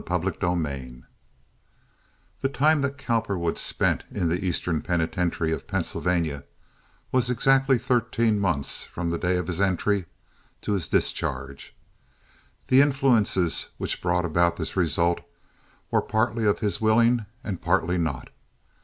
Chapter LVII The time that Cowperwood spent in the Eastern Penitentiary of Pennsylvania was exactly thirteen months from the day of his entry to his discharge. The influences which brought about this result were partly of his willing, and partly not.